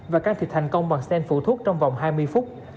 và can thiệp thành công bằng sen phụ thuốc trong vòng hai mươi phút